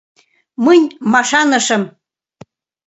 Мӹнь машанышым